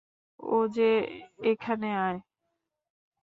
ওজে, এখানে আয়।